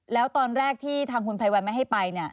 แล้วตอนแรกที่ทางคุณภัยวัลไม่ให้ไป